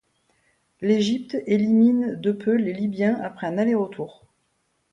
L'Égypte élimine de peu les Libyens après un aller-retour.